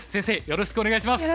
よろしくお願いします。